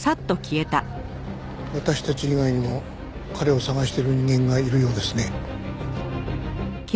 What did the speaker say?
私たち以外にも彼を捜してる人間がいるようですね。